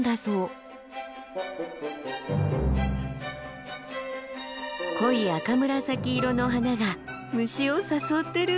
濃い赤紫色の花が虫を誘ってる。